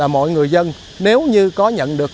mọi người dân nếu như có nhận được